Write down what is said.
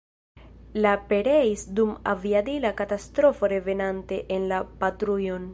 Li pereis dum aviadila katastrofo revenante en la patrujon.